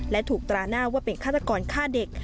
และถูกตราหน้าว่าเป็นฆาตกรฆ่าเด็ก